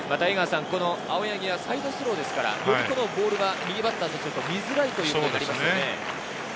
青柳はサイドスローですから、ボールが右バッターとすると見づらいということになりますね。